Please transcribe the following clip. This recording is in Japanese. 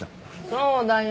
そうだよ。